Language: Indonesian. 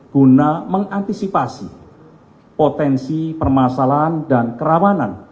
guna mengantisipasi potensi permasalahan dan kerawanan